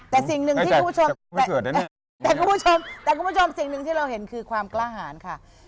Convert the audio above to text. แต่สิ่งหนึ่งที่คุณผู้ชมแต่คุณผู้ชมแต่คุณผู้ชมสิ่งหนึ่งที่เราเห็นคือความกล้าหารค่ะ